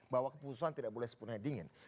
bahwa keputusan tidak boleh sepenuhnya dingin